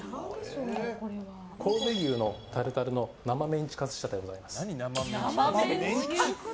神戸牛のタルタルの生メンチカツ仕立てでございます。